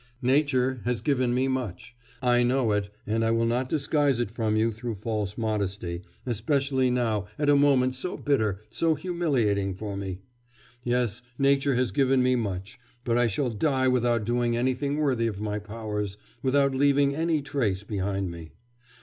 'Nature has given me much. I know it, and I will not disguise it from you through false modesty, especially now at a moment so bitter, so humiliating for me.... Yes, Nature has given me much, but I shall die without doing anything worthy of my powers, without leaving any trace behind me.